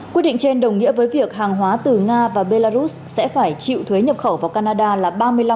quyết định trên đồng nghĩa với việc hàng hóa từ nga và belarus sẽ phải chịu thuế nhập khẩu vào canada là ba mươi năm